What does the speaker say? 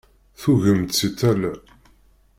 Tugem-d si tala.